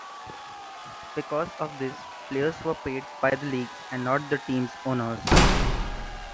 Because of this players were paid by the league and not the team's owners.